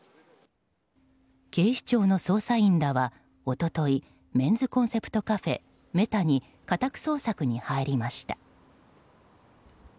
警視庁の捜査員らは一昨日、メンズコンセプトカフェＭＥＴＡに家宅捜索に入りました。